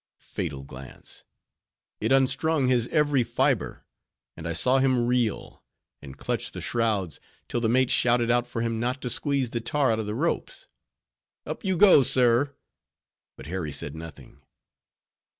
Fatal glance! it unstrung his every fiber; and I saw him reel, and clutch the shrouds, till the mate shouted out for him not to squeeze the tar out of the ropes. "Up you go, sir." But Harry said nothing.